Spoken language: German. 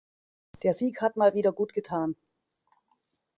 Der Sieg hat mal wieder gutgetan.